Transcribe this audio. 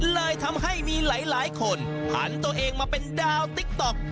เลยทำให้มีหลายคนผันตัวเองมาเป็นดาวติ๊กต๊อก